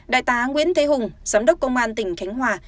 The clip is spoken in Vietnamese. đại tá nguyễn thế hùng giám đốc công an tỉnh khánh hòa